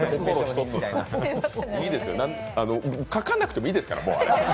書かなくてもいいですから。